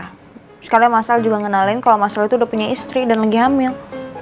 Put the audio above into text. terus kalian mas al juga ngenalin kalo mas al itu udah punya istri dan lagi hamil